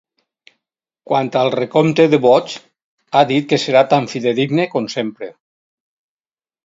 Quant al recompte de vots, ha dit que serà tan fidedigne com sempre.